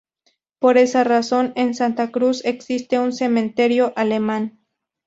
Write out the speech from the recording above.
Por esa razón en Santa Cruz existe un cementerio alemán.